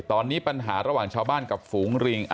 ตอนนี้ปัญหาระหว่างชาวบ้านกับฝูงริง